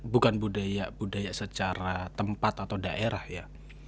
bukan budaya budaya secara tempat atau daerah ya